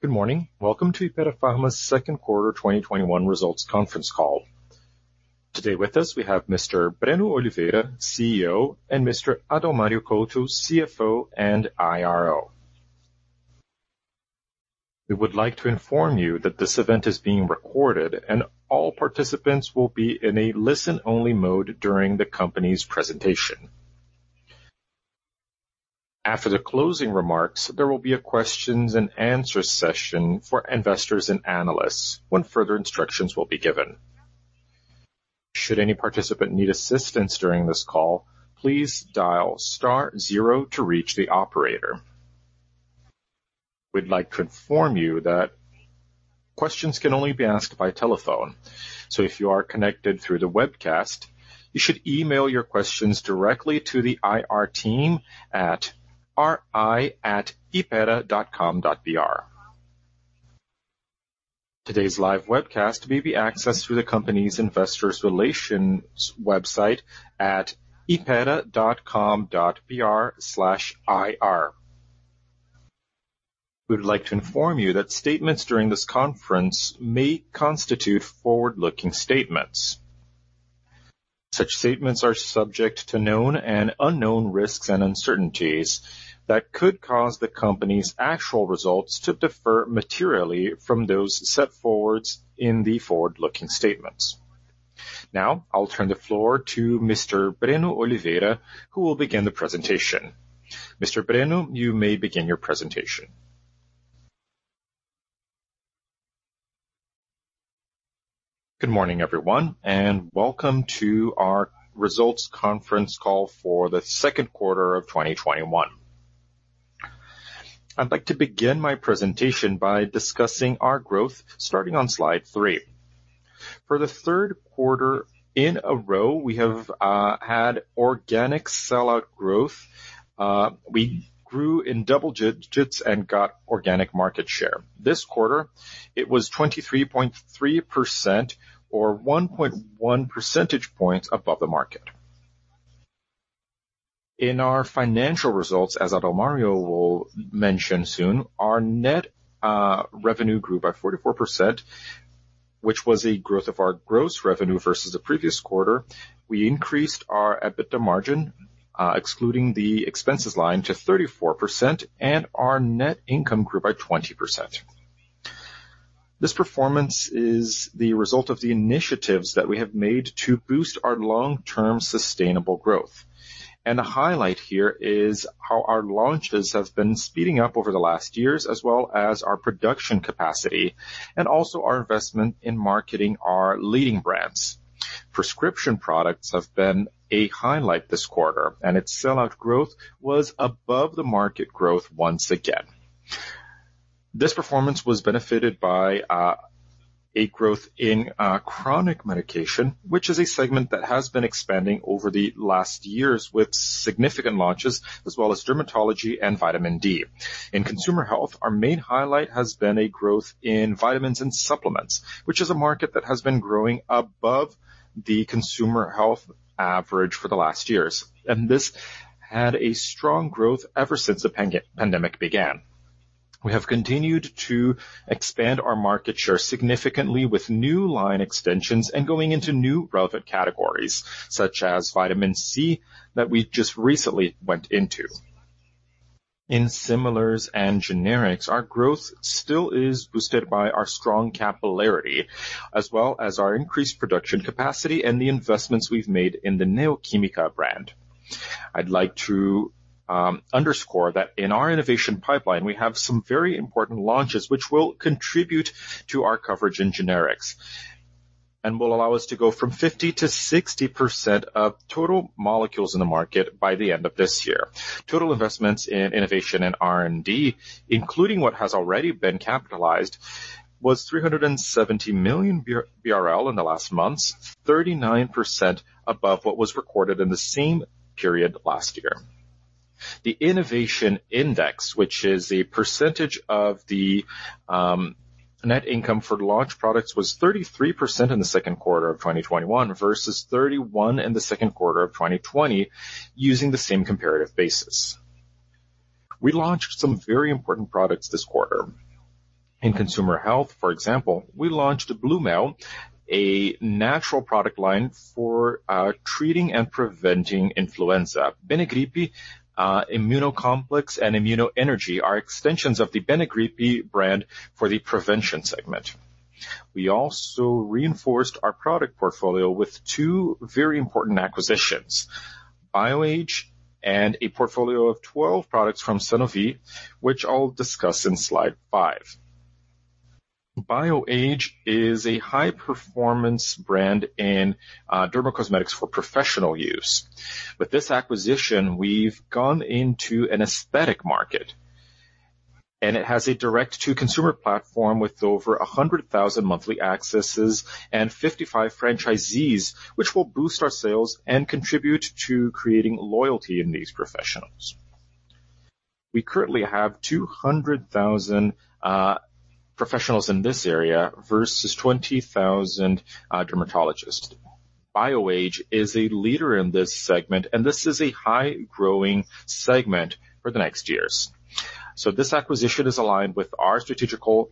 Good morning. Welcome to Hypera Pharma's Q2 2021 results conference call. Today with us, we have Mr. Breno Oliveira, CEO, and Mr. Adalmario Couto, CFO and IRO. We would like to inform you that this event is being recorded. All participants will be in a listen-only mode during the company's presentation. After the closing remarks, there will be a question-and-answers session for investors and analysts when further instructions will be given. Should any participant need assistance during this call, please dial star zero to reach the operator. We'd like to inform you that questions can only be asked by telephone. If you are connected through the webcast, you should email your questions directly to the IR team at ri@hypera.com.br. Today's live webcast may be accessed through the company's investors relations website at hypera.com.br/ir. We would like to inform you that statements during this conference may constitute forward-looking statements. Such statements are subject to known and unknown risks and uncertainties that could cause the company's actual results to differ materially from those set forth in the forward-looking statements. Now, I'll turn the floor to Mr. Breno Oliveira, who will begin the presentation. Mr. Breno, you may begin your presentation. Good morning, everyone, and welcome to our results conference call for Q2 2021. I'd like to begin my presentation by discussing our growth starting on slide three. For the third quarter in a row, we have had organic sellout growth. We grew in double digits and got organic market share. This quarter, it was 23.3% or 1.1 percentage points above the market. In our financial results, as Adalmario will mention soon, our net revenue grew by 44%, which was a growth of our gross revenue versus the previous quarter. We increased our EBITDA margin, excluding the expenses line, to 34%, and our net income grew by 20%. This performance is the result of the initiatives that we have made to boost our long-term sustainable growth. A highlight here is how our launches have been speeding up over the last years, as well as our production capacity, and also our investment in marketing our leading brands. Prescription products have been a highlight this quarter, and its sellout growth was above the market growth once again. This performance was benefited by a growth in chronic medication, which is a segment that has been expanding over the last years with significant launches, as well as dermatology and vitamin D. In consumer health, our main highlight has been a growth in vitamins and supplements, which is a market that has been growing above the consumer health average for the last years. This had a strong growth ever since the pandemic began. We have continued to expand our market share significantly with new line extensions and going into new relevant categories, such as vitamin C that we just recently went into. In similars and generics, our growth still is boosted by our strong capillarity, as well as our increased production capacity and the investments we've made in the Neo Química brand. I'd like to underscore that in our innovation pipeline, we have some very important launches which will contribute to our coverage in generics and will allow us to go from 50%-60% of total molecules in the market by the end of this year. Total investments in innovation and R&D, including what has already been capitalized, was 370 million BRL in the last months, 39% above what was recorded in the second quarter of 2020. The innovation index, which is a percentage of the net income for launched products, was 33% in the second quarter of 2021 versus 31% in the second quarter of 2020, using the same comparative basis. We launched some very important products this quarter. In consumer health, for example, we launched Blumel, a natural product line for treating and preventing influenza. Benegrip Imuno Complex and Imuno Energy are extensions of the Benegrip brand for the prevention segment. We also reinforced our product portfolio with two very important acquisitions. Bioage and a portfolio of 12 products from Sanofi, which I'll discuss in slide 5. Bioage is a high-performance brand in dermocosmetics for professional use. With this acquisition, we've gone into an aesthetic market. It has a direct-to-consumer platform with over 100,000 monthly accesses and 55 franchisees, which will boost our sales and contribute to creating loyalty in these professionals. We currently have 200,000 professionals in this area versus 20,000 dermatologists. Bioage is a leader in this segment. This is a high-growing segment for the next years. This acquisition is aligned with our strategic goal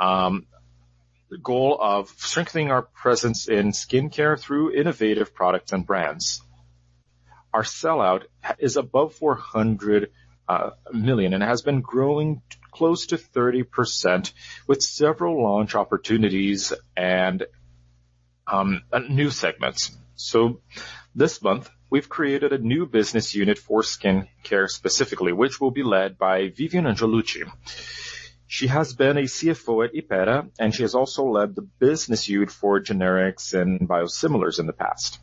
of strengthening our presence in skincare through innovative products and brands. Our sellout is above 400 million and has been growing close to 30%, with several launch opportunities and new segments. This month, we've created a new business unit for skincare specifically, which will be led by Viviane Angeliucci. She has been a CFO at Hypera. She has also led the business unit for generics and biosimilars in the past.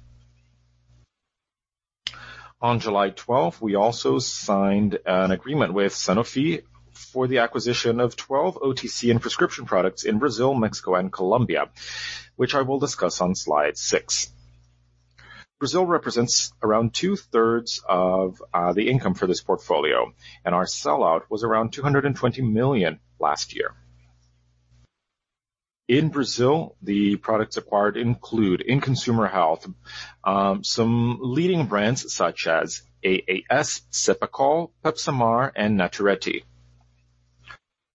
On July 12th, we also signed an agreement with Sanofi for the acquisition of 12 OTC and prescription products in Brazil, Mexico, and Colombia, which I will discuss on slide six. Brazil represents around 2/3 of the income for this portfolio. Our sellout was around 220 million last year. In Brazil, the products acquired include, in consumer health, some leading brands such as AAS, Cepacol, Pepsamar, and Naturetti.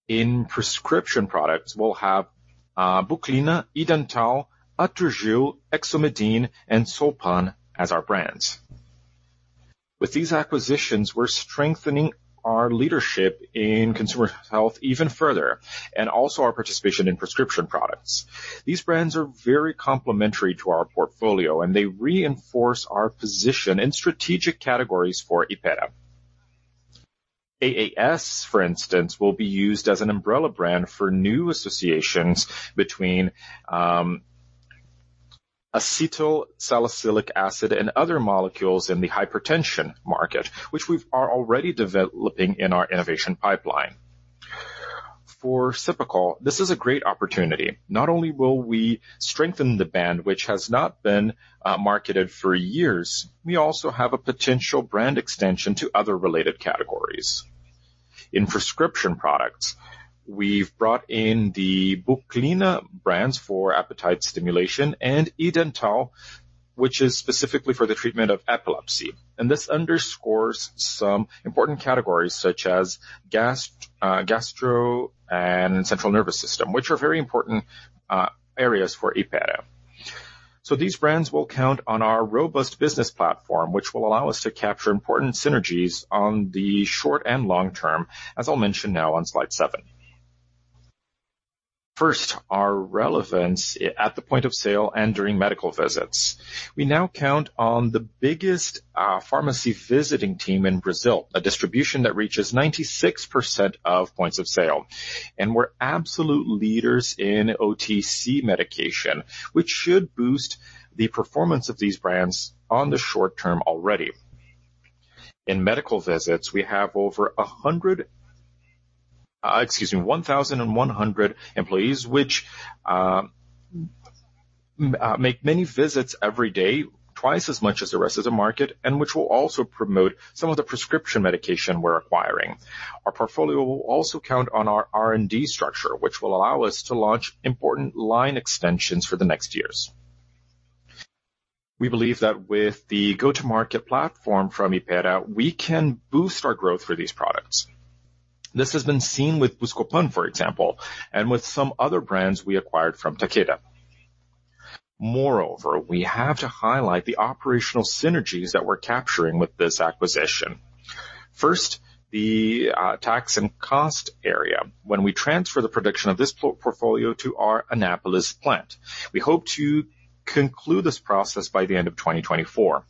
In prescription products, we'll have Buclina, Edental, Atriju, Exomedin, and Buscopan as our brands. With these acquisitions, we're strengthening our leadership in consumer health even further and also our participation in prescription products. These brands are very complementary to our portfolio. They reinforce our position in strategic categories for Hypera. AAS, for instance, will be used as an umbrella brand for new associations between acetylsalicylic acid and other molecules in the hypertension market, which we are already developing in our innovation pipeline. For Cepacol, this is a great opportunity. Not only will we strengthen the brand, which has not been marketed for years, we also have a potential brand extension to other related categories. In prescription products, we've brought in the Buclina brands for appetite stimulation and Edental, which is specifically for the treatment of epilepsy. This underscores some important categories such as gastro and central nervous system, which are very important areas for Hypera. These brands will count on our robust business platform, which will allow us to capture important synergies on the short and long term, as I'll mention now on slide seven. First, our relevance at the point of sale and during medical visits. We now count on the biggest pharmacy visiting team in Brazil, a distribution that reaches 96% of points of sale. We're absolute leaders in OTC medication, which should boost the performance of these brands on the short term already. In medical visits, we have over 1,100 employees, which make many visits every day, twice as much as the rest of the market, and which will also promote some of the prescription medication we're acquiring. Our portfolio will also count on our R&D structure, which will allow us to launch important line extensions for the next years. We believe that with the go-to-market platform from Hypera, we can boost our growth for these products. This has been seen with Buscopan, for example, and with some other brands we acquired from Takeda. Moreover, we have to highlight the operational synergies that we're capturing with this acquisition. First, the tax and cost area. When we transfer the production of this portfolio to our Anápolis plant, we hope to conclude this process by the end of 2024.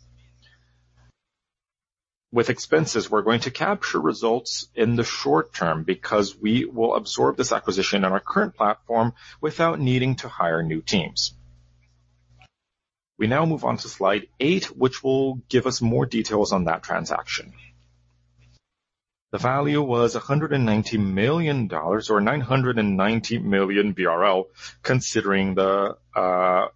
With expenses, we're going to capture results in the short term because we will absorb this acquisition on our current platform without needing to hire new teams. We now move on to slide eight, which will give us more details on that transaction. The value was $190 million, or 990 million BRL, considering the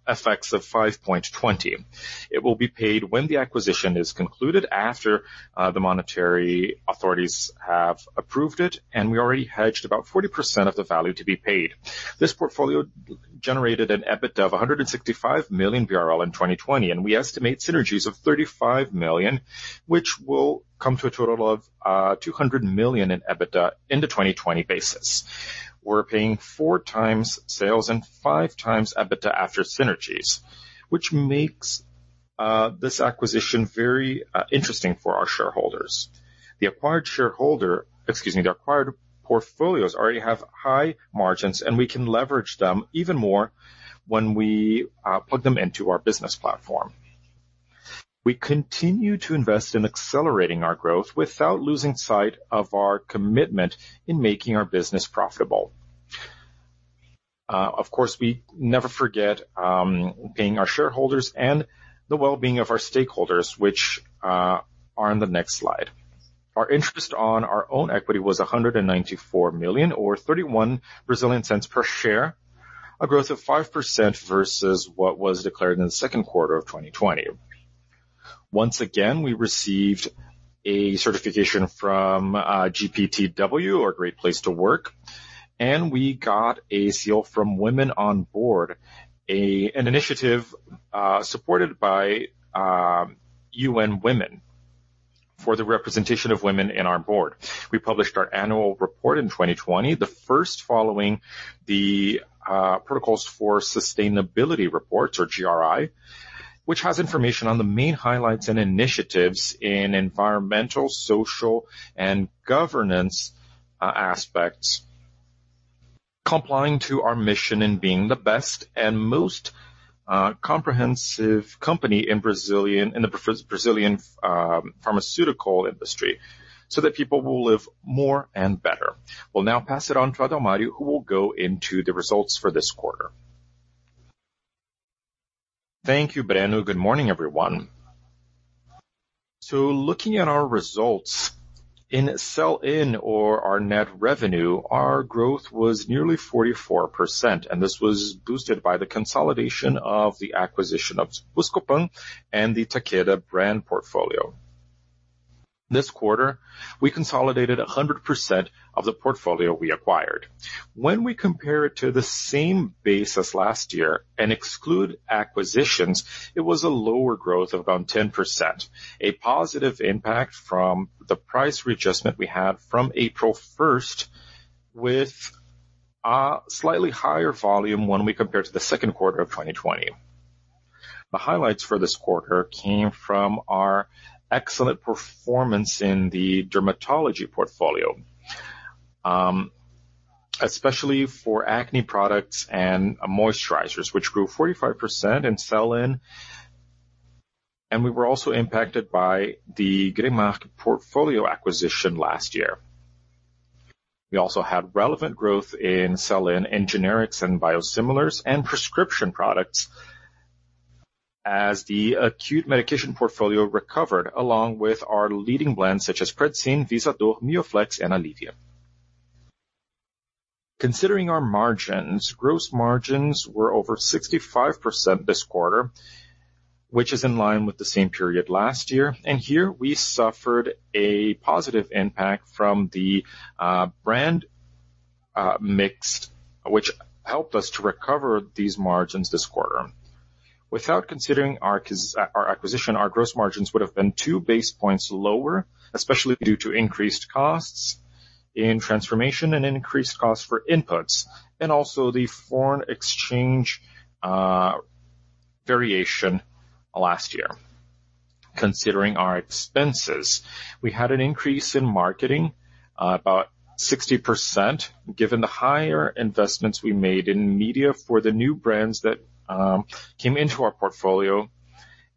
effects of 5.20. It will be paid when the acquisition is concluded after the monetary authorities have approved it, and we already hedged about 40% of the value to be paid. This portfolio generated an EBITDA of 165 million BRL in 2020, and we estimate synergies of 35 million, which will come to a total of 200 million in EBITDA in the 2020 basis. We're paying 4x sales and 5x EBITDA after synergies, which makes this acquisition very interesting for our shareholders. The acquired portfolios already have high margins, and we can leverage them even more when we plug them into our business platform. We continue to invest in accelerating our growth without losing sight of our commitment in making our business profitable. Of course, we never forget paying our shareholders and the well-being of our stakeholders, which are on the next slide. Our interest on our own equity was 194 million or 0.31 per share, a growth of 5% versus what was declared in the second quarter of 2020. Once again, we received a certification from GPTW, or Great Place to Work, and we got a seal from Women on Board, an initiative supported by UN Women for the representation of women in our board. We published our annual report in 2020, the first following the protocols for sustainability reports or GRI, which has information on the main highlights and initiatives in environmental, social, and governance aspects complying to our mission in being the best and most comprehensive company in the Brazilian pharmaceutical industry so that people will live more and better. We'll now pass it on to Adalmario who will go into the results for this quarter. Thank you, Breno. Good morning, everyone. Looking at our results in sell-in or our net revenue, our growth was nearly 44%, and this was boosted by the consolidation of the acquisition of Buscopan and the Takeda brand portfolio. This quarter, we consolidated 100% of the portfolio we acquired. When we compare it to the same base as last year and exclude acquisitions, it was a lower growth of around 10%. A positive impact from the price readjustment we had from April 1st with slightly higher volume when we compare to the second quarter of 2020. The highlights for this quarter came from our excellent performance in the dermatology portfolio, especially for acne products and moisturizers, which grew 45% in sell-in. We were also impacted by the Glenmark portfolio acquisition last year. We also had relevant growth in sell-in in generics and biosimilars and prescription products as the acute medication portfolio recovered along with our leading brands such as Predsim, Lisador, Mioflex, and Alivium. Considering our margins, gross margins were over 65% this quarter, which is in line with the same period last year. Here we suffered a positive impact from the brand mix, which helped us to recover these margins this quarter. Without considering our acquisition, our gross margins would've been two basis points lower, especially due to increased costs in transformation and increased costs for inputs and also the foreign exchange variation last year. Considering our expenses, we had an increase in marketing about 60% given the higher investments we made in media for the new brands that came into our portfolio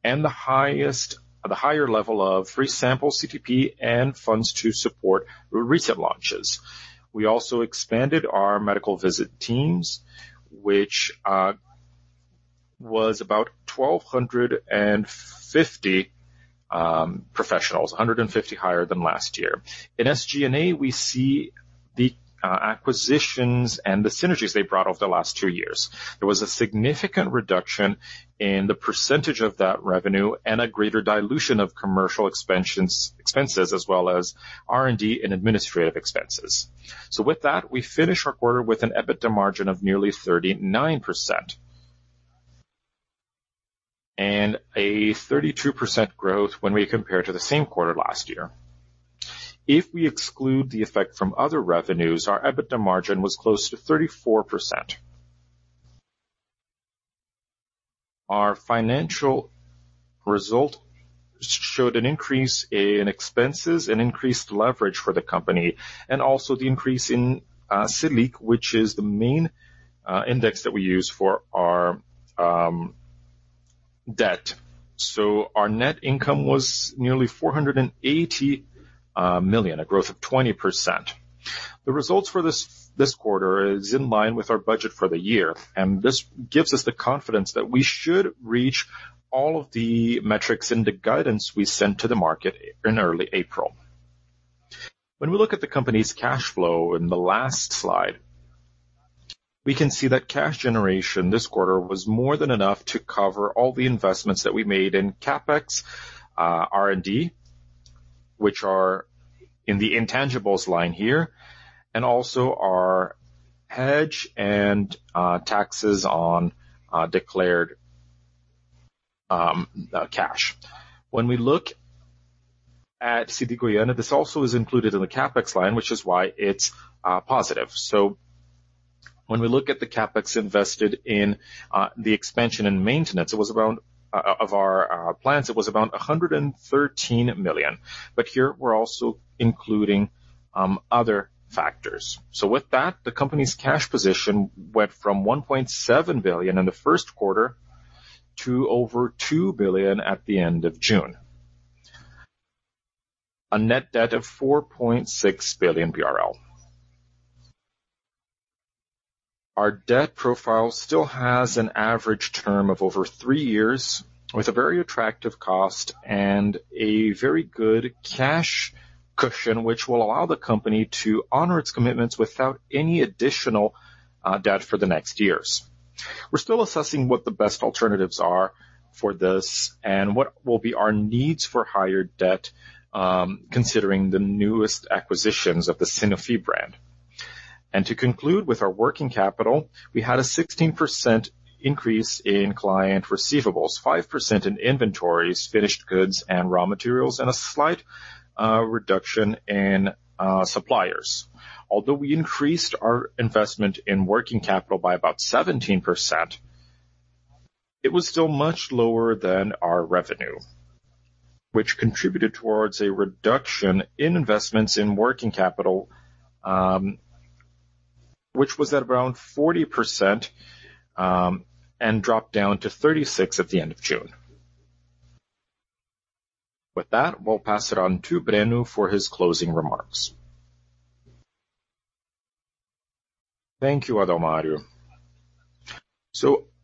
and the higher level of free sample CTP and funds to support recent launches. We also expanded the medical visit teams, which was about 1,250 professionals, 150 higher than last year. In SG&A, we see the acquisitions and the synergies they brought over the last two years. There was a significant reduction in the percentage of that revenue and a greater dilution of commercial expenses, as well as R&D and administrative expenses. With that, we finish our quarter with an EBITDA margin of nearly 39% and a 32% growth when we compare to the same quarter last year. If we exclude the effect from other revenues, our EBITDA margin was close to 34%. Our financial result showed an increase in expenses and increased leverage for the company, and also the increase in Selic, which is the main index that we use for our debt. Our net income was nearly 480 million, a growth of 20%. The results for this quarter is in line with our budget for the year, and this gives us the confidence that we should reach all of the metrics and the guidance we sent to the market in early April. We look at the company's cash flow in the last slide, we can see that cash generation this quarter was more than enough to cover all the investments that we made in CapEx, R&D, which are in the intangibles line here, and also our hedge and taxes on declared cash. We look at CD de Goiânia, this also is included in the CapEx line, which is why it's positive. We look at the CapEx invested in the expansion and maintenance of our plants, it was about 113 million. Here we're also including other factors. With that, the company's cash position went from 1.7 billion in the first quarter to over 2 billion at the end of June. A net debt of 4.6 billion BRL. Our debt profile still has an average term of over three years with a very attractive cost and a very good cash cushion, which will allow the company to honor its commitments without any additional debt for the next years. We're still assessing what the best alternatives are for this and what will be our needs for higher debt, considering the newest acquisitions of the Sanofi brand. To conclude with our working capital, we had a 16% increase in client receivables, 5% in inventories, finished goods, and raw materials, and a slight reduction in suppliers. Although we increased our investment in working capital by about 17%, it was still much lower than our revenue, which contributed towards a reduction in investments in working capital, which was at around 40%, and dropped down to 36% at the end of June. With that, we'll pass it on to Breno for his closing remarks. Thank you, Adalmario.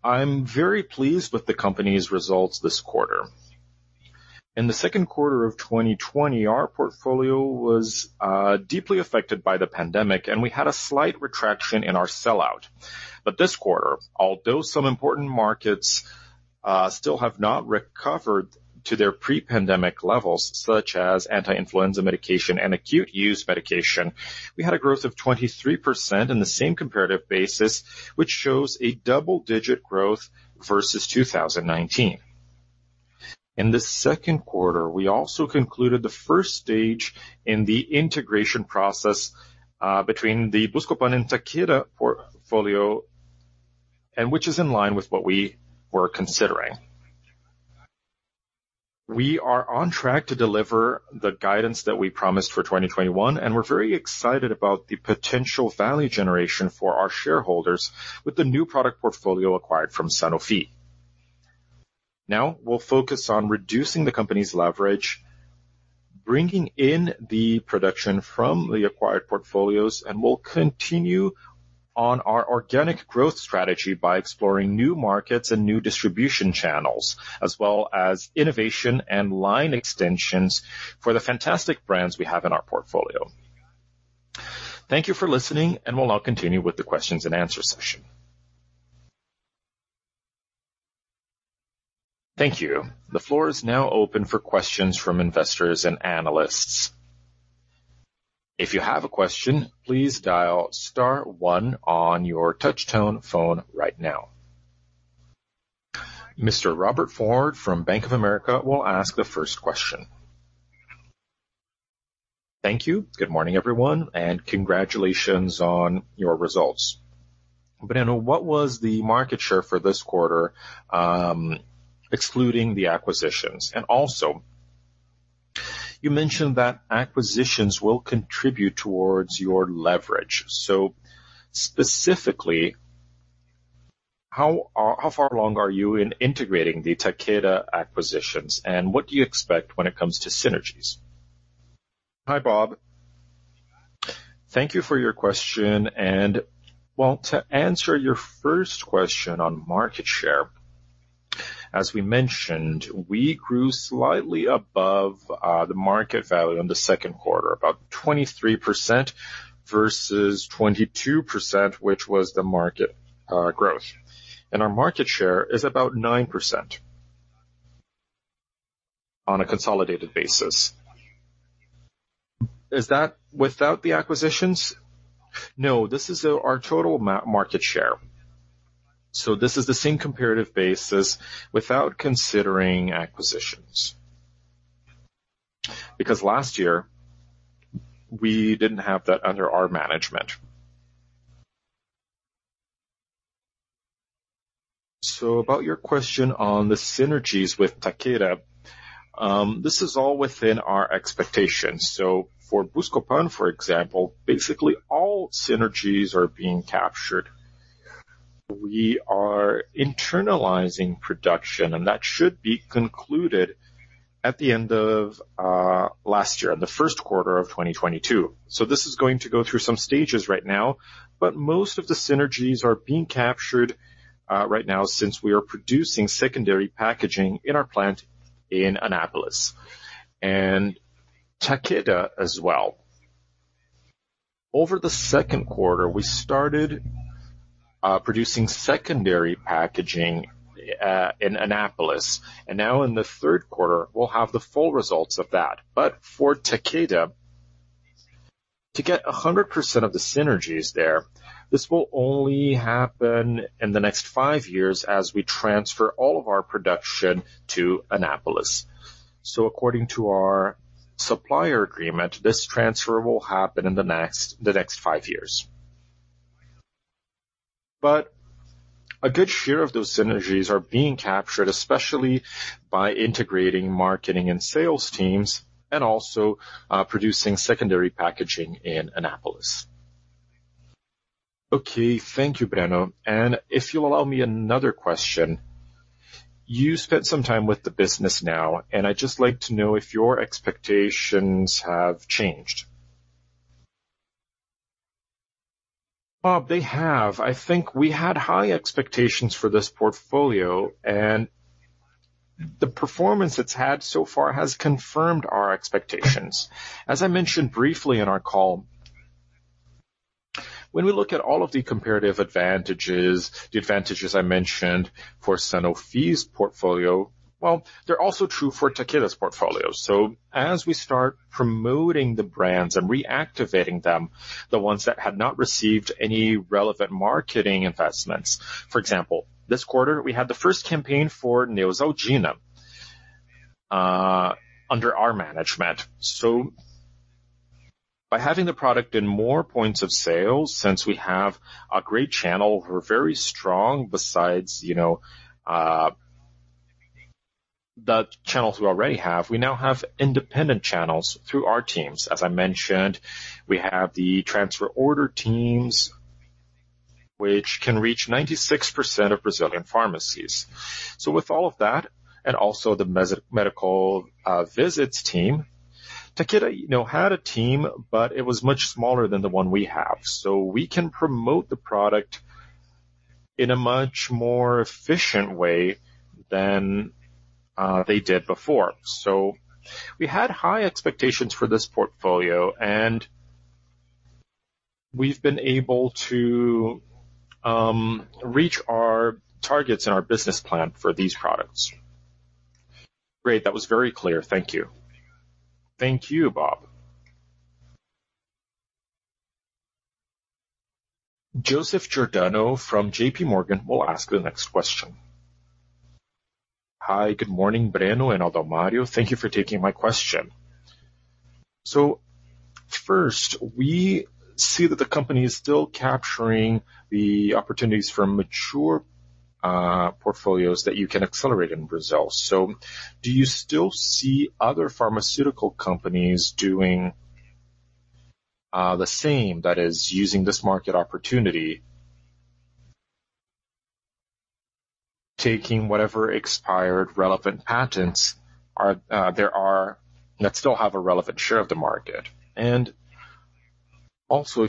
I'm very pleased with the company's results this quarter. In the second quarter of 2020, our portfolio was deeply affected by the pandemic, and we had a slight retraction in our sellout. This quarter, although some important markets still have not recovered to their pre-pandemic levels, such as anti-influenza medication and acute use medication, we had a growth of 23% in the same comparative basis, which shows a double-digit growth versus 2019. In the second quarter, we also concluded the first stage in the integration process between the Buscopan and Takeda portfolio, which is in line with what we were considering. We are on track to deliver the guidance that we promised for 2021, and we're very excited about the potential value generation for our shareholders with the new product portfolio acquired from Sanofi. Now we'll focus on reducing the company's leverage, bringing in the production from the acquired portfolios, and we'll continue on our organic growth strategy by exploring new markets and new distribution channels, as well as innovation and line extensions for the fantastic brands we have in our portfolio. Thank you for listening, and we'll now continue with the question-and-answer session. Thank you. The floor is now open for questions from investors and analysts. Mr. Robert Ford from Bank of America will ask the first question. Thank you. Good morning, everyone, and congratulations on your results. Breno, what was the market share for this quarter excluding the acquisitions? Also, you mentioned that acquisitions will contribute towards your leverage. Specifically, how far along are you in integrating the Takeda acquisitions, and what do you expect when it comes to synergies? Hi, Bob. Thank you for your question. Well, to answer your first question on market share, as we mentioned, we grew slightly above the market value in the second quarter, about 23% versus 22%, which was the market growth. Our market share is about 9% on a consolidated basis. Is that without the acquisitions? No, this is our total market share. This is the same comparative basis without considering acquisitions. Because last year, we didn't have that under our management. About your question on the synergies with Takeda, this is all within our expectations. For Buscopan, for example, basically all synergies are being captured. We are internalizing production, and that should be concluded at the end of last year, the first quarter of 2022. This is going to go through some stages right now, but most of the synergies are being captured right now since we are producing secondary packaging in our plant in Anápolis. Takeda as well. Over the second quarter, we started producing secondary packaging in Anápolis, and now in the third quarter, we'll have the full results of that. For Takeda, to get 100% of the synergies there, this will only happen in the next five years as we transfer all of our production to Anápolis. According to our supplier agreement, this transfer will happen in the next five years. A good share of those synergies are being captured, especially by integrating marketing and sales teams and also producing secondary packaging in Anápolis. Okay. Thank you, Breno. If you'll allow me another question. You spent some time with the business now. I'd just like to know if your expectations have changed. Robert, they have. I think we had high expectations for this portfolio. The performance it's had so far has confirmed our expectations. As I mentioned briefly in our call, when we look at all of the comparative advantages, the advantages I mentioned for Sanofi's portfolio, well, they're also true for Takeda's portfolio. As we start promoting the brands and reactivating them, the ones that had not received any relevant marketing investments. For example, this quarter we had the first campaign for Neosaldina under our management. By having the product in more points of sale, since we have a great channel, we're very strong besides the channels we already have. We now have independent channels through our teams. As I mentioned, we have the transfer order teams, which can reach 96% of Brazilian pharmacies. With all of that, and also the medical visits team, Takeda had a team, but it was much smaller than the one we have. We can promote the product in a much more efficient way than they did before. We had high expectations for this portfolio, and we've been able to reach our targets and our business plan for these products. Great. That was very clear. Thank you. Thank you, Bob. Joseph Giordano from J.P. Morgan will ask the next question. Hi, good morning, Breno and Adalmario. Thank you for taking my question. First, we see that the company is still capturing the opportunities for mature portfolios that you can accelerate in Brazil. Do you still see other pharmaceutical companies doing the same, that is, using this market opportunity, taking whatever expired relevant patents there are that still have a relevant share of the market. If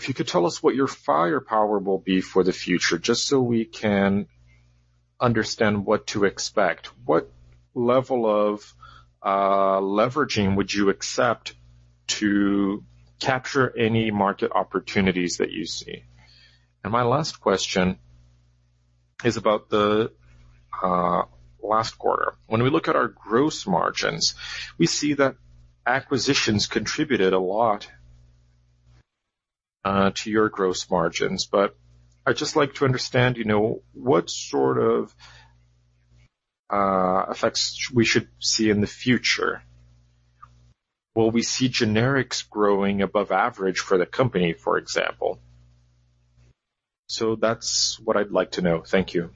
you could tell us what your firepower will be for the future, just so we can understand what to expect. What level of leveraging would you accept to capture any market opportunities that you see? My last question is about the last quarter. When we look at our gross margins, we see that acquisitions contributed a lot to your gross margins, but I'd just like to understand what sort of effects we should see in the future. Will we see generics growing above average for the company, for example? That's what I'd like to know. Thank you.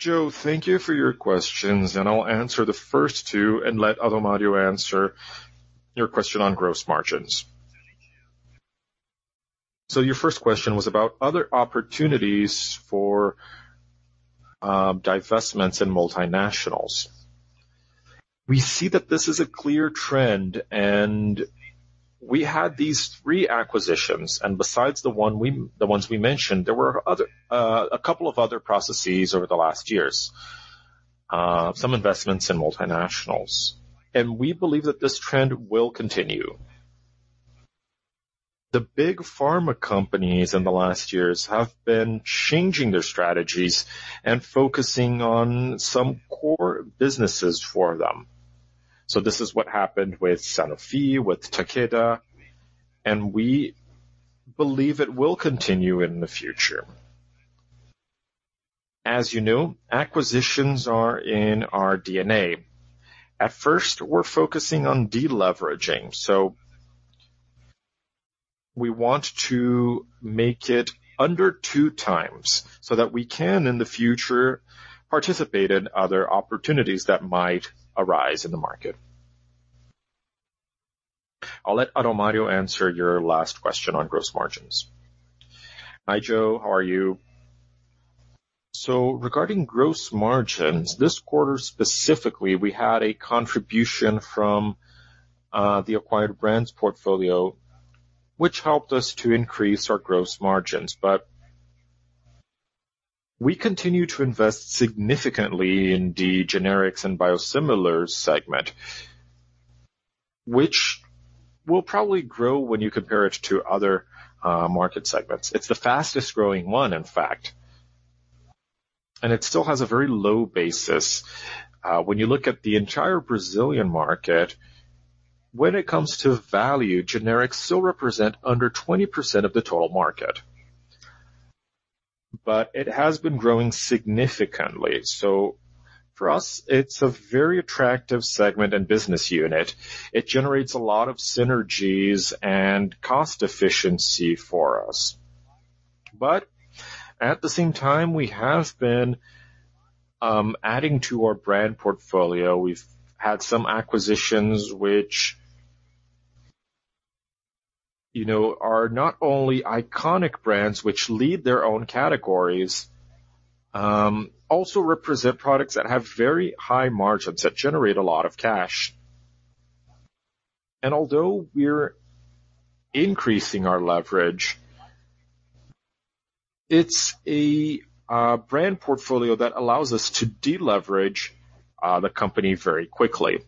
Joe, thank you for your questions, and I'll answer the first two and let Adalmario answer your question on gross margins. Your first question was about other opportunities for divestments in multinationals. We see that this is a clear trend, and we had these three acquisitions, and besides the ones we mentioned, there were a couple of other processes over the last years. Some investments in multinationals. We believe that this trend will continue. The big pharma companies in the last years have been changing their strategies and focusing on some core businesses for them. This is what happened with Sanofi, with Takeda, and we believe it will continue in the future. As you know, acquisitions are in our DNA. At first, we're focusing on de-leveraging. We want to make it under two times so that we can, in the future, participate in other opportunities that might arise in the market. I'll let Adalmario answer your last question on gross margins. Hi, Joseph. How are you? Regarding gross margins, this quarter specifically, we had a contribution from the acquired brands portfolio, which helped us to increase our gross margins. We continue to invest significantly in the generics and biosimilars segment, which will probably grow when you compare it to other market segments. It's the fastest-growing one, in fact, and it still has a very low basis. When you look at the entire Brazilian market, when it comes to value, generics still represent under 20% of the total market. It has been growing significantly. For us, it's a very attractive segment and business unit. It generates a lot of synergies and cost efficiency for us. At the same time, we have been adding to our brand portfolio. We've had some acquisitions which are not only iconic brands which lead their own categories, also represent products that have very high margins, that generate a lot of cash. Although we're increasing our leverage, it's a brand portfolio that allows us to de-leverage the company very quickly.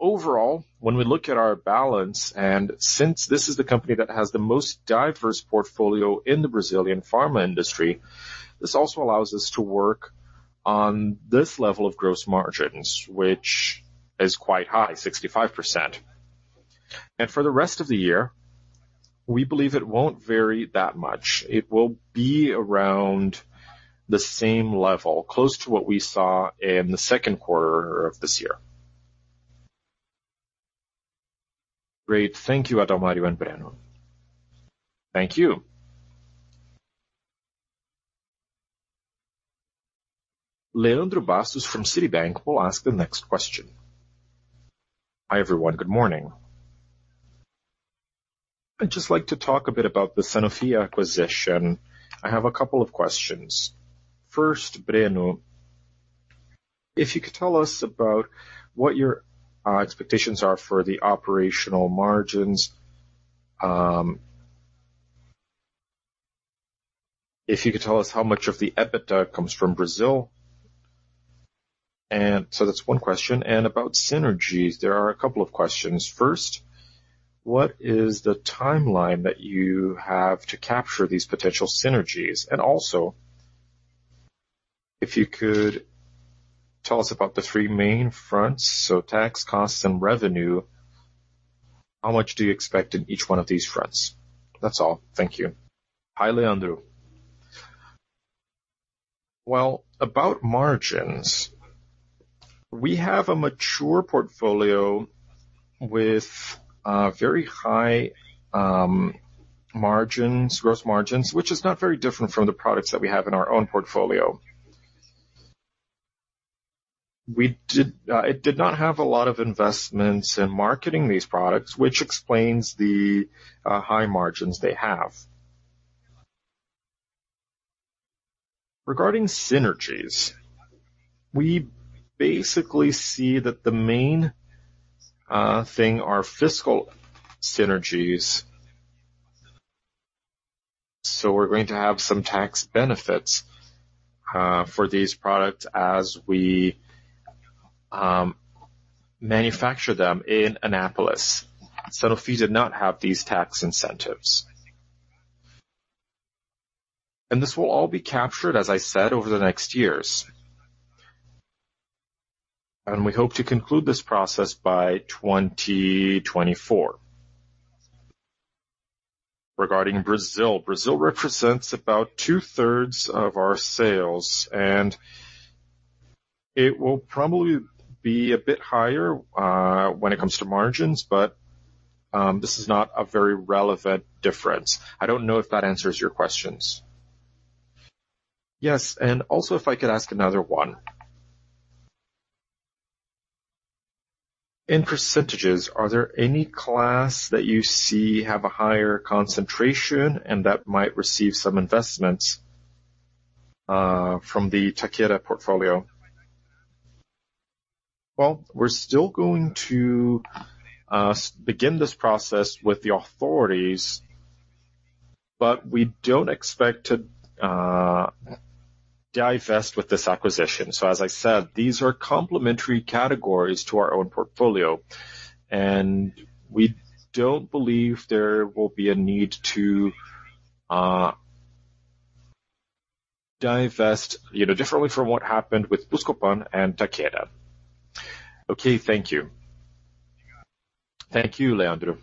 Overall, when we look at our balance, and since this is the company that has the most diverse portfolio in the Brazilian pharma industry, this also allows us to work on this level of gross margins, which is quite high, 65%. For the rest of the year, we believe it won't vary that much. It will be around the same level, close to what we saw in the second quarter of this year. Great. Thank you, Adalmario and Breno. Thank you. Leandro Bastos from Citibank will ask the next question. Hi, everyone. Good morning. I'd just like to talk a bit about the Sanofi acquisition. I have a couple of questions. First, Breno, if you could tell us about what your expectations are for the operational margins. If you could tell us how much of the EBITDA comes from Brazil. That's one question. About synergies, there are a couple of questions. First, what is the timeline that you have to capture these potential synergies? Also, if you could tell us about the three main fronts, so tax, costs, and revenue, how much do you expect in each one of these fronts? That's all. Thank you. Hi, Leandro. Well, about margins, we have a mature portfolio with very high margins, gross margins, which is not very different from the products that we have in our own portfolio. It did not have a lot of investments in marketing these products, which explains the high margins they have. Regarding synergies, we basically see that the main thing are fiscal synergies. We are going to have some tax benefits for these products as we manufacture them in Anápolis. Sanofi did not have these tax incentives. This will all be captured, as I said, over the next years. We hope to conclude this process by 2024. Regarding Brazil represents about two-thirds of our sales, and it will probably be a bit higher when it comes to margins, but this is not a very relevant difference. I do not know if that answers your questions. Yes. Also, if I could ask another one. In percentages, are there any class that you see have a higher concentration and that might receive some investments from the Takeda portfolio? Well, we're still going to begin this process with the authorities, but we don't expect to divest with this acquisition. As I said, these are complementary categories to our own portfolio, and we don't believe there will be a need to divest, differently from what happened with Buscopan and Takeda. Okay. Thank you. Thank you, Leandro.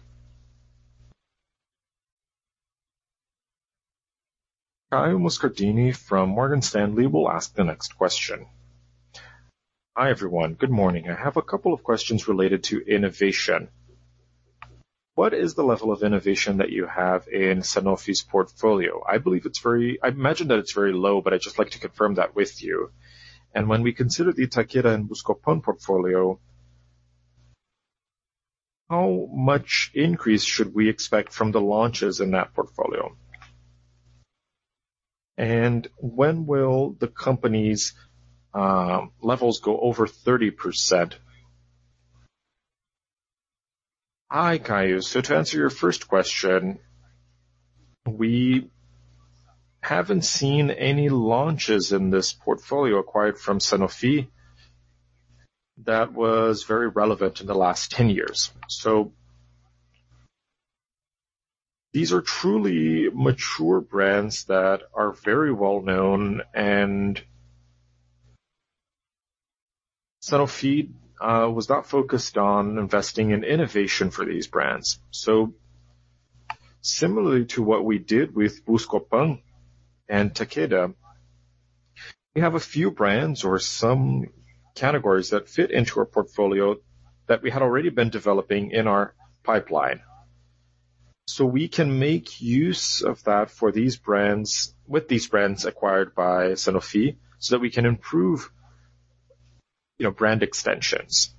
Caio Moscardini from Morgan Stanley will ask the next question. Hi, everyone. Good morning. I have a couple of questions related to innovation. What is the level of innovation that you have in Sanofi's portfolio? I imagine that it's very low, but I'd just like to confirm that with you. When we consider the Takeda and Buscopan portfolio, how much increase should we expect from the launches in that portfolio? When will the company's levels go over 30%? Hi, Caio. To answer your first question, we haven't seen any launches in this portfolio acquired from Sanofi that was very relevant in the last 10 years. These are truly mature brands that are very well-known, and Sanofi was not focused on investing in innovation for these brands. Similarly to what we did with Buscopan and Takeda, we have a few brands or some categories that fit into our portfolio that we had already been developing in our pipeline. We can make use of that with these brands acquired by Sanofi, so that we can improve brand extensions.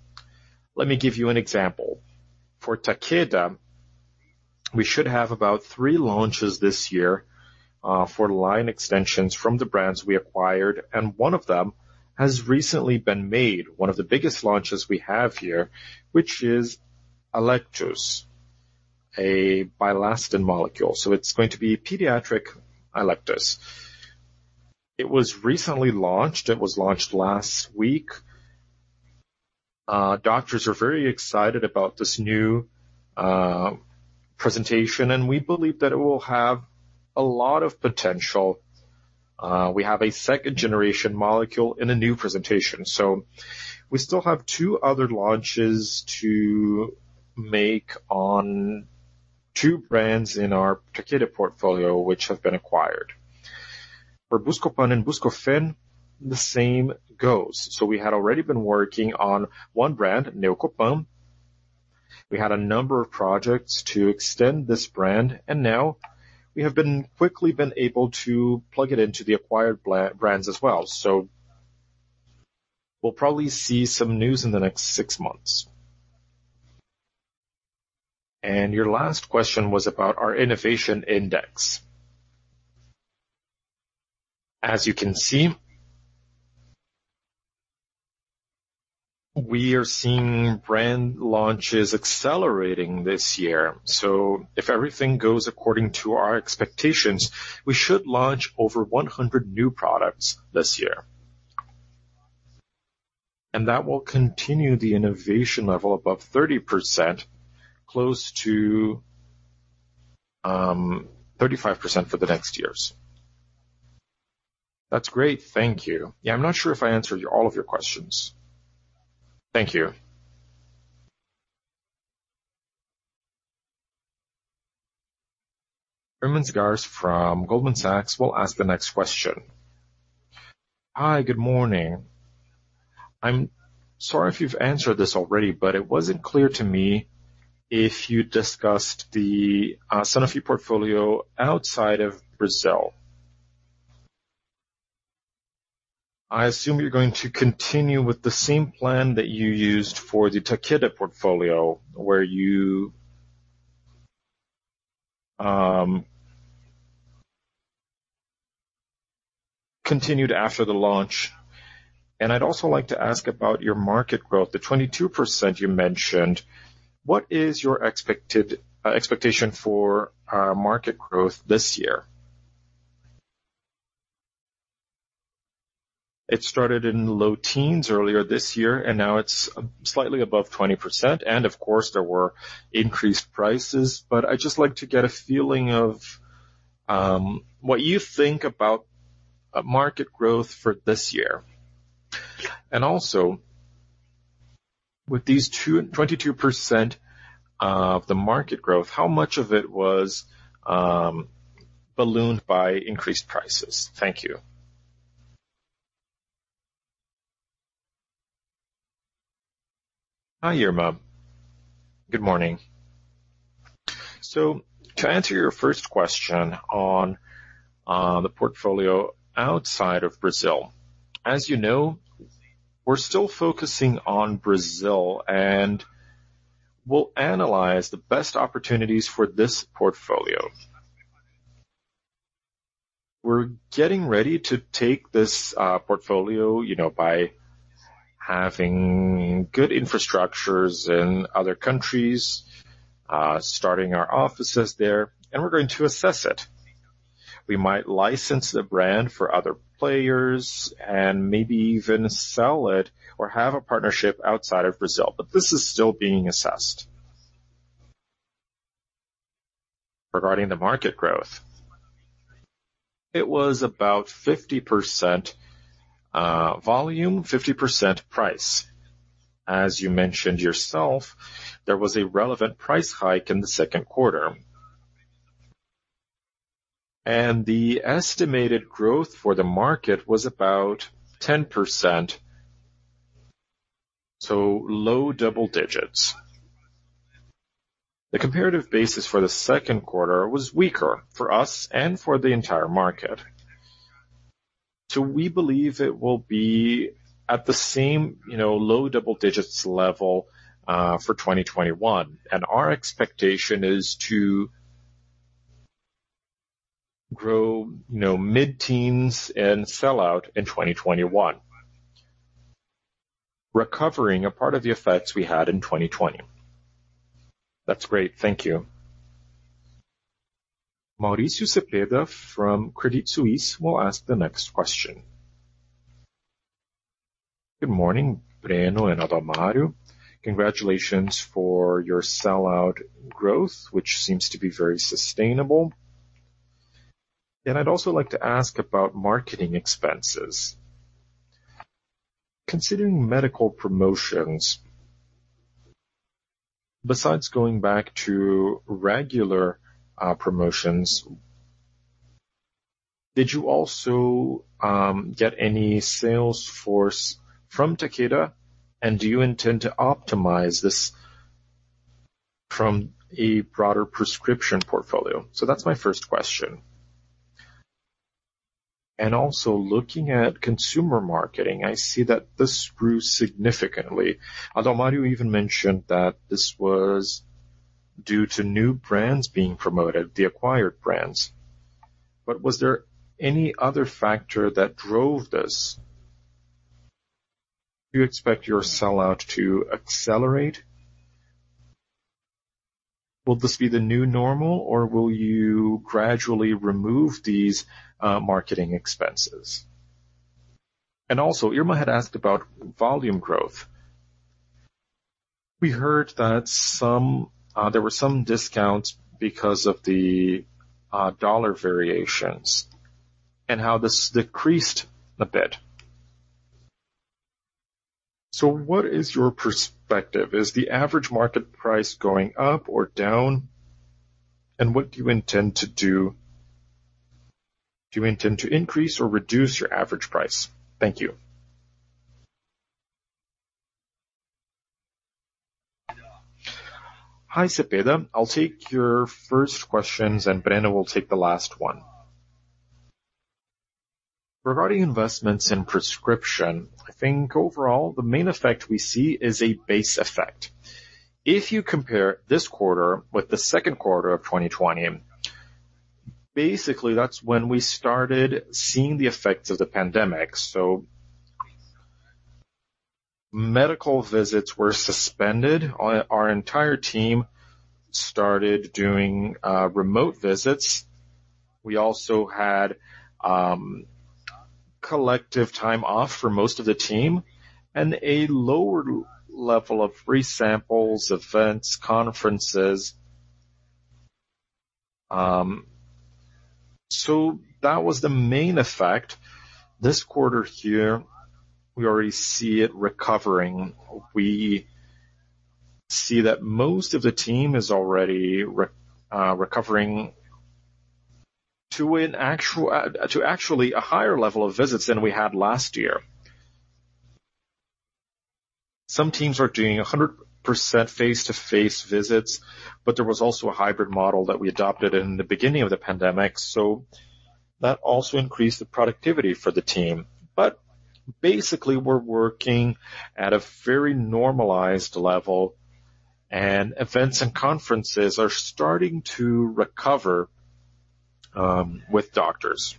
Let me give you an example. For Takeda, we should have about three launches this year for line extensions from the brands we acquired, and one of them has recently been made. One of the biggest launches we have here, which is Alektos, a bilastine molecule. It's going to be pediatric Alektos. It was recently launched. It was launched last week. Doctors are very excited about this new presentation, and we believe that it will have a lot of potential. We have a second-generation molecule in a new presentation. We still have two other launches to make on two brands in our Takeda portfolio, which have been acquired. For Buscopan and Buscofem, the same goes. We had already been working on one brand, Neocopan. We had a number of projects to extend this brand, and now we have quickly been able to plug it into the acquired brands as well. We'll probably see some news in the next six months. Your last question was about our innovation index. As you can see, we are seeing brand launches accelerating this year. If everything goes according to our expectations, we should launch over 100 new products this year. That will continue the innovation level above 30%, close to 35% for the next years. That's great. Thank you. Yeah, I'm not sure if I answered all of your questions. Thank you. Irma Sgarz from Goldman Sachs will ask the next question. Hi, good morning. I'm sorry if you've answered this already, but it wasn't clear to me if you discussed the Sanofi portfolio outside of Brazil. I assume you're going to continue with the same plan that you used for the Takeda portfolio, where you continued after the launch. I'd also like to ask about your market growth, the 22% you mentioned. What is your expectation for market growth this year? It started in low teens earlier this year, now it's slightly above 20%, of course there were increased prices, I'd just like to get a feeling of what you think about market growth for this year. Also, with these 22% of the market growth, how much of it was ballooned by increased prices? Thank you. Hi, Irma. Good morning. To answer your first question on the portfolio outside of Brazil. As you know, we're still focusing on Brazil and we'll analyze the best opportunities for this portfolio. We're getting ready to take this portfolio by having good infrastructures in other countries, starting our offices there, we're going to assess it. We might license the brand for other players and maybe even sell it or have a partnership outside of Brazil, but this is still being assessed. Regarding the market growth, it was about 50% volume, 50% price. As you mentioned yourself, there was a relevant price hike in the second quarter. The estimated growth for the market was about 10%, so low double digits. The comparative basis for the second quarter was weaker for us and for the entire market. We believe it will be at the same low double digits level for 2021. Our expectation is to grow mid-teens and sell out in 2021, recovering a part of the effects we had in 2020. That's great. Thank you. Mauricio Cepeda from Credit Suisse will ask the next question. Good morning, Breno and Adalmario. Congratulations for your sellout growth, which seems to be very sustainable. I'd also like to ask about marketing expenses. Considering medical promotions, besides going back to regular promotions, did you also get any sales force from Takeda, and do you intend to optimize this from a broader prescription portfolio? That's my first question. Also looking at consumer marketing, I see that this grew significantly, although Adalmario even mentioned that this was due to new brands being promoted, the acquired brands. Was there any other factor that drove this? Do you expect your sellout to accelerate? Will this be the new normal, or will you gradually remove these marketing expenses? Also, Irma Sgarz had asked about volume growth. We heard that there were some discounts because of the dollar variations and how this decreased a bit. What is your perspective? Is the average market price going up or down, and what do you intend to do? Do you intend to increase or reduce your average price? Thank you. Hi, Cepeda. I'll take your first questions, and Breno will take the last one. Regarding investments in prescription, I think overall, the main effect we see is a base effect. If you compare this quarter with the Q2 2020, basically, that's when we started seeing the effects of the pandemic. Medical visits were suspended. Our entire team started doing remote visits. We also had collective time off for most of the team and a lower level of free samples, events, conferences. That was the main effect. This quarter here, we already see it recovering. We see that most of the team is already recovering to actually a higher level of visits than we had last year. Some teams are doing 100% face-to-face visits, but there was also a hybrid model that we adopted in the beginning of the pandemic, so that also increased the productivity for the team. Basically, we're working at a very normalized level, and events and conferences are starting to recover with doctors.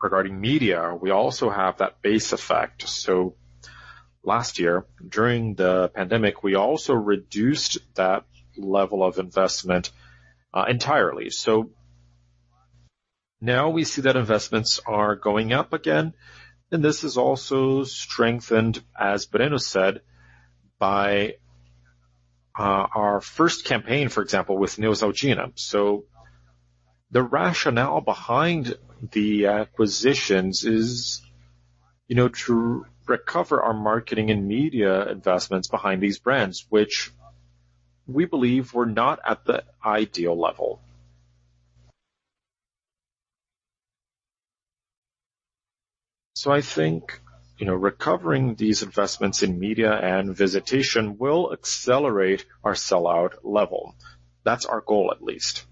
Regarding media, we also have that base effect. Last year, during the pandemic, we also reduced that level of investment entirely. Now we see that investments are going up again, and this is also strengthened, as Breno said, by our first campaign, for example, with Neosaldina. The rationale behind the acquisitions is to recover our marketing and media investments behind these brands, which we believe were not at the ideal level. I think recovering these investments in media and visitation will accelerate our sellout level. That's our goal, at least.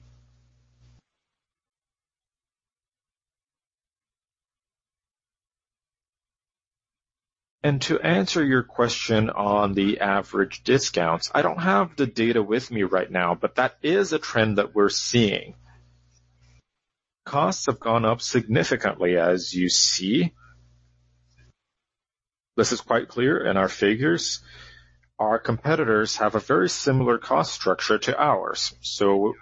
To answer your question on the average discounts, I do not have the data with me right now, but that is a trend that we are seeing. Costs have gone up significantly, as you see. This is quite clear in our figures. Our competitors have a very similar cost structure to ours, so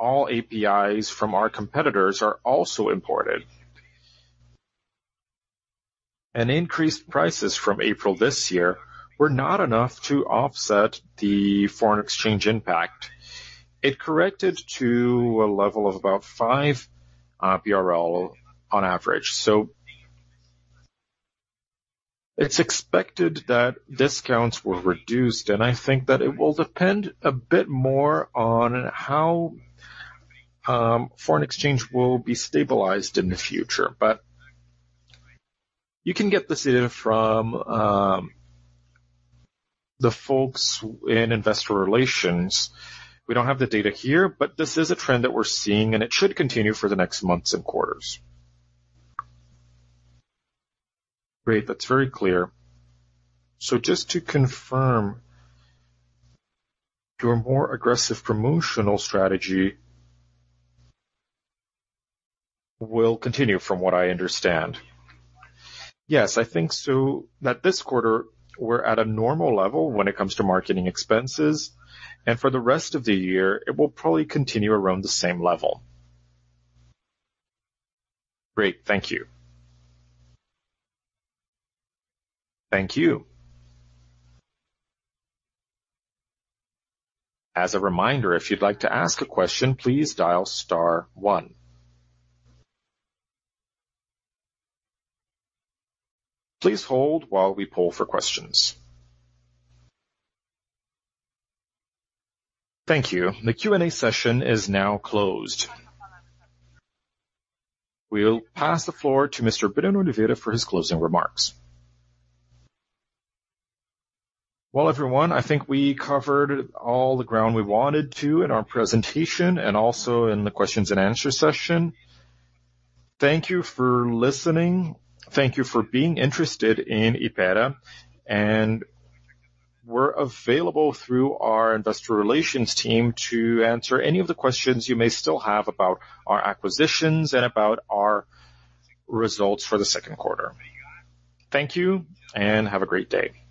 all APIs from our competitors are also imported. Increased prices from April this year were not enough to offset the foreign exchange impact. It corrected to a level of about 5 BRL on average. It is expected that discounts will reduce, and I think that it will depend a bit more on how foreign exchange will be stabilized in the future. You can get this info from the folks in investor relations. We do not have the data here, but this is a trend that we are seeing, and it should continue for the next months and quarters. Great. That's very clear. Just to confirm, your more aggressive promotional strategy will continue from what I understand. Yes. I think so that this quarter we're at a normal level when it comes to marketing expenses, and for the rest of the year, it will probably continue around the same level. Great. Thank you. Thank you. The Q&A session is now closed. We'll pass the floor to Mr. Breno Oliveira for his closing remarks. Well, everyone, I think we covered all the ground we wanted to in our presentation and also in the question-and-answer session. Thank you for listening. Thank you for being interested in Hypera, and we're available through our investor relations team to answer any of the questions you may still have about our acquisitions and about our results for the second quarter. Thank you. Have a great day.